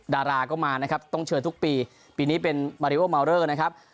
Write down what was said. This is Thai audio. ดาราก็มานะครับต้องเชิญทุกปีปีนี้เป็นมาริโอมาวเลอร์นะครับ